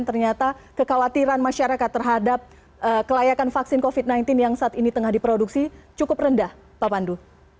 ternyata kekhawatiran masyarakat terhadap kelayakan vaksin covid sembilan belas yang saat ini tengah diproduksi cukup rendah pak pandu